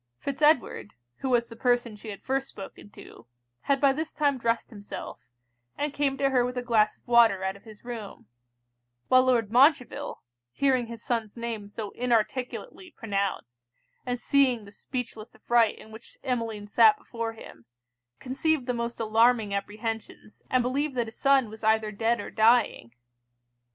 Fitz Edward, who was the person she had first spoken to, had by this time dressed himself, and came to her with a glass of water out of his room; while Lord Montreville, hearing his son's name so inarticulately pronounced, and seeing the speechless affright in which Emmeline sat before him, conceived the most alarming apprehensions, and believed that his son was either dead or dying.